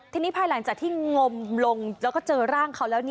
ทีนี้ภายหลังจากที่งมลงแล้วก็เจอร่างเขาแล้ว